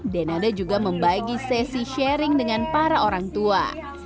denada juga membagi sesi sharing dengan para orang tua